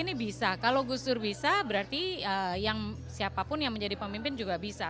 ini bisa kalau gus dur bisa berarti yang siapapun yang menjadi pemimpin juga bisa